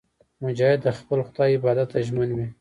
مجاهد د خپل خدای عبادت ته ژمن وي.